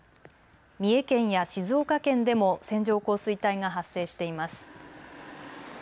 三重県や静岡県でも線状降水帯が発生しています。